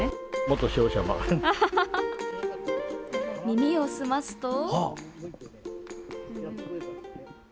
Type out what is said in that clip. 耳を澄ますと。